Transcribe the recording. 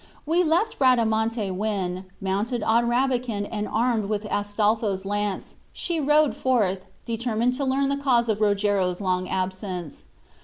We left Bradamante when, mounted on Rabican and armed with Astolpho's lance, she rode forth, determined to learn the cause of Rogero's long absence.